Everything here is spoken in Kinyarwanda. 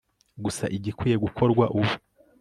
gusa igikwiye gukorwa ubu